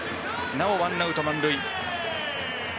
なおワンアウト、満塁。